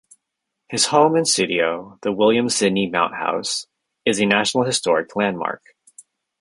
His home and studio, the William Sidney Mount House, is a National Historic Landmark.